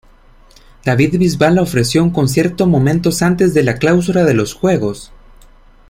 David Bisbal ofreció un concierto momentos antes de la clausura de los juegos.